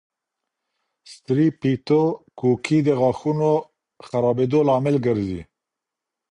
سټریپټوکوکي د غاښونو خرابېدو لامل ګرځي.